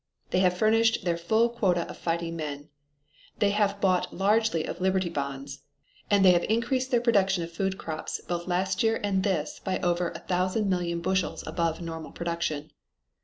They have furnished their full quota of fighting men; they have bought largely of Liberty Bonds; and they have increased their production of food crops both last year and this by over a thousand million bushels above normal production.